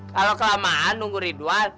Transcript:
kalo kelamaan nunggu ridwan